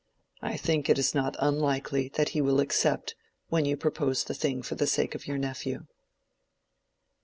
I think it is not unlikely that he will accept when you propose the thing for the sake of your nephew."